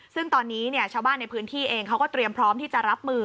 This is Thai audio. ซึ่งตอนนี้ชาวบ้านในพื้นที่เองเขาก็เตรียมพร้อมที่จะรับมือ